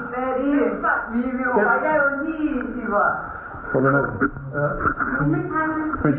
เธอแข็งแรงมาก